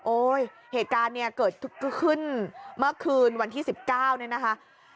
เหตุการณ์เนี่ยเกิดขึ้นเมื่อคืนวันที่๑๙เนี่ยนะคะ